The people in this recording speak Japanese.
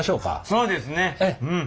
そうですねうん。